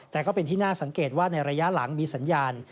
แต่ก็เป็นที่น่าสังเกตว่าในระยะหลังมีสัญญาณ